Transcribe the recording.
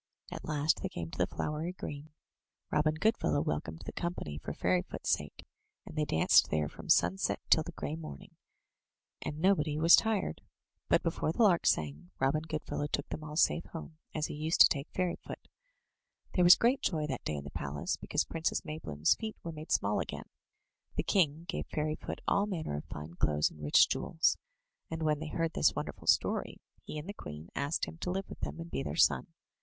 At last they came to the flowery green. Robin Goodfellow welcomed the company for Fairyfoot's sake, and they danced there from sunset till the grey morning, and nobody was tired. But before the lark sang, Robin Goodfellow took them all safe home, as he used to take Fairyfoot. There was great joy that day in the palace because Princess Maybloom's feet were made small again. The king gave Fairy foot all manner of fine clothes alnd rich jewels; and when they heard this wonderful story, he and the queen asked him to live with them and be their son.